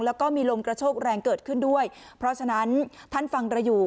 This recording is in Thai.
แล้วก็มีลมกระโชกแรงเกิดขึ้นด้วยเพราะฉะนั้นท่านฟังเราอยู่